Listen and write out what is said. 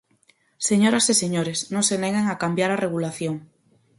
Señoras e señores, non se neguen a cambiar a regulación.